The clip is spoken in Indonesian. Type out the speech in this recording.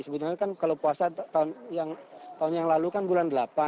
sebenarnya kan kalau puasa tahun yang lalu kan bulan delapan